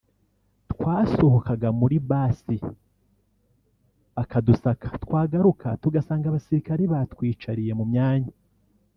twasohokaga muri bus bakadusaka twagaruka tugasanga abasirikare batwicariye mu myanya